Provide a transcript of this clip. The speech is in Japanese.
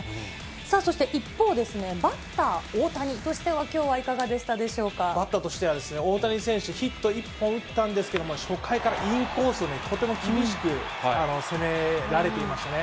そして、一方ですね、バッター、大谷としてはきょうはいかがでしバッターとしては、大谷選手、ヒット１本打ったんですけども、初回からインコースをとても厳しく攻められていましたね。